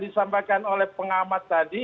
disampaikan oleh pengamat tadi